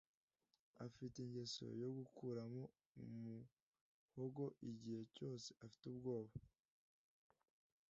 afite ingeso yo gukuramo umuhogo igihe cyose afite ubwoba